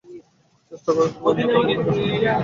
চেষ্টা করে দেখব, আপনার কথামত কাজ করতে চেষ্টা করব।